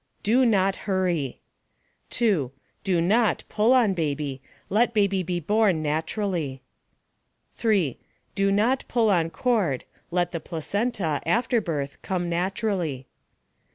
DO NOT hurry. 2. DO NOT pull on baby, let baby be born naturally. 3. DO NOT pull on cord, let the placenta (afterbirth) come naturally.